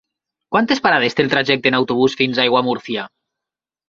Quantes parades té el trajecte en autobús fins a Aiguamúrcia?